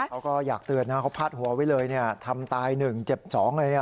เขาก็อยากเตือนนะเขาพาดหัวไว้เลยเนี่ยทำตาย๑เจ็บ๒อะไรเนี่ย